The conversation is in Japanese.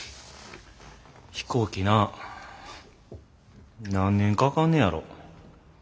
飛行機な何年かかんねやろ。